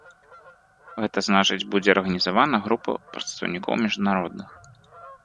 Гэта значыць будзе арганізавана група прадстаўнікоў міжнародных.